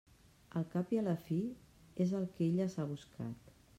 Al cap i a la fi és el que ella s'ha buscat.